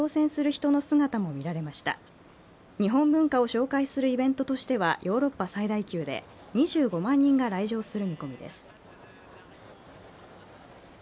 日本文化を紹介するイベントとしてはヨーロッパ最大級で２５万人が来場する見込みです。